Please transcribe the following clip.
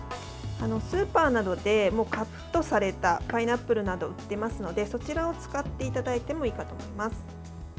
スーパーなどでカットされたパイナップルなど売ってますのでそちらを使っていただいてもいいかと思います。